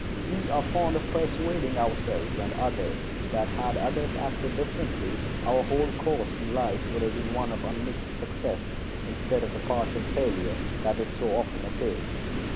We are fond of persuading ourselves and others that had others acted differently our whole course in life would have been one of unmixed success instead of the partial failure that it so often appears.